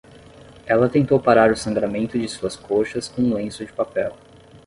Ela tentou parar o sangramento de suas coxas com um lenço de papel.